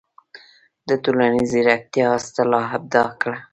د"ټولنیزې زیرکتیا" اصطلاح ابداع کړه.